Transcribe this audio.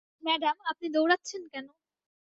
Madam, আপনি দৌঁড়াচ্ছেন কেন?